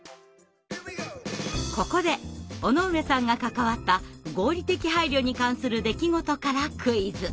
ここで尾上さんが関わった合理的配慮に関する出来事からクイズ。